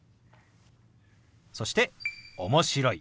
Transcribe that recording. そして「面白い」。